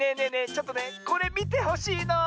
ちょっとねこれみてほしいの。